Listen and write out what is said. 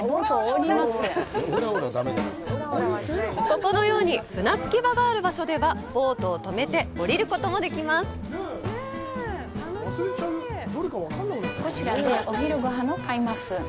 ここのように船着き場がある場所ではボートをとめて降りることもできるんです。